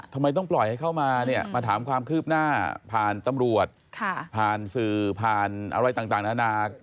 ทำไมต้องปล่อยให้เข้ามาเนี่ยมาถามความคืบหน้าผ่านตำรวจผ่านสื่อผ่านอะไรต่างนานา